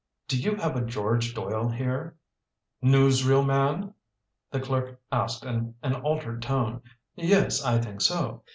"Do you have a George Doyle here?" "Newsreel man?" the clerk asked in an altered tone. "Yes, I think so."